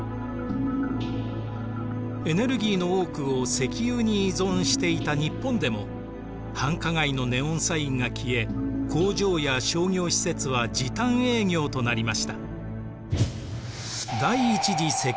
エネルギーの多くを石油に依存していた日本でも繁華街のネオンサインが消え工場や商業施設は時短営業となりました。